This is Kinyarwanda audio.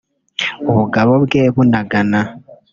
ubugabo bwe bunagana